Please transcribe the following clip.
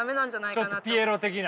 ちょっとピエロ的なね。